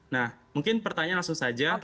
nah mungkin pertanyaan langsung saja